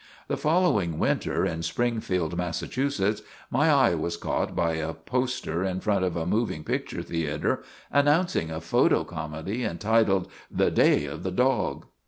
The following winter, in Springfield, Mass., my eye was caught by a poster in front of a moving pic ture theater announcing a photo comedy entitled " The Day of the Dog."